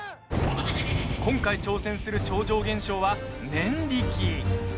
今回、挑戦する超常現象は念力。